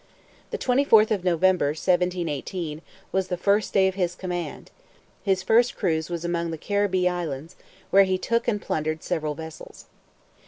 The 24th of November 1718, was the first day of his command; his first cruise was among the Carribbee Islands, where he took and plundered several vessels.